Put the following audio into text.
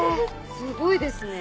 すごいですね。